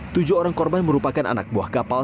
tujuh orang korban merupakan anak buah kapal